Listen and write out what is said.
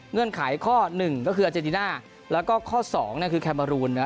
เงื่อนไขข้อหนึ่งก็คืออาเจดิน่าแล้วก็ข้อสองน่ะคือแคมมารูน